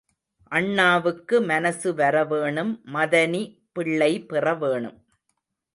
அண்ணாவுக்கு மனசு வரவேணும் மதனி பிள்ளை பெற வேணும்.